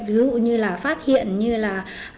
ví dụ như là phát hiện như là